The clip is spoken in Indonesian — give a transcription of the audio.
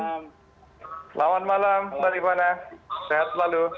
selamat malam baik baik sehat selalu